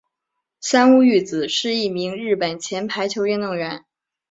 三屋裕子是一名日本前排球运动员。